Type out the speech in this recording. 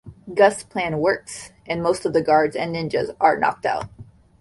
Gus' plan works, and most of the guards and ninjas are knocked out.